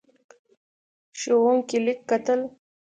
ښوونکی لیک کتل.